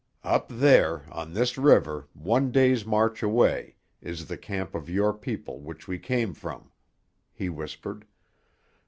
"Up there, on this river, one day's march away, is the camp of your people, which we came from," he whispered.